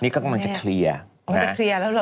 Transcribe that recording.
นี้ก็กำลังจะเคลียร์